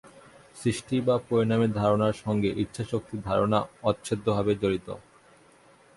সৃষ্টি বা পরিণামের ধারণার সঙ্গে ইচ্ছাশক্তির ধারণা অচ্ছেদ্যভাবে জড়িত।